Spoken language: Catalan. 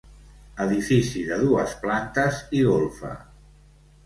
Edifici de dues plantes i golfa.